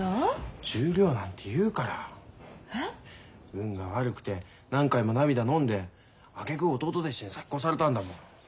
運が悪くて何回も涙のんであげく弟弟子に先越されたんだもん。